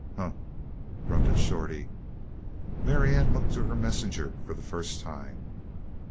"Huh!" grunted Shorty. Marianne looked to her messenger for the first time.